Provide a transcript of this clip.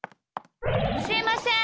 すいません！